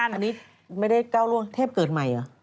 อันนี้ไม่ได้เก้าร่วมเทพเกิดใหม่